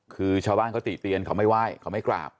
คือชาวบ้านเขาติเตียนเขาไม่ไหว้เขาไม่กราบ